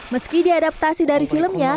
meski diadaptasi dari filmnya